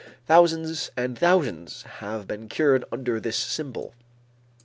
Thousands and thousands have been cured under this symbol.